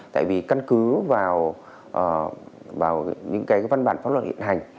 tại vì căn cứ vào những cái văn bản pháp luật hiện hành